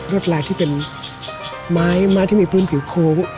ลวดลายที่เป็นไม้ไม้ที่มีพื้นผิวคูง